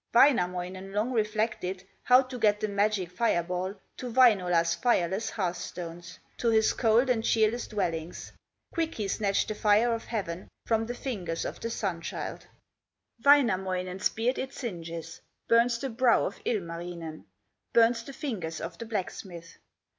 Wainamoinen long reflected How to get the magic fire ball To Wainola's fireless hearth stones, To his cold and cheerless dwellings. Quick he snatched the fire of heaven From the fingers of the Sun child. Wainamoinen's beard it singes, Burns the brow of Ilmarinen, Burns the fingers of the blacksmith.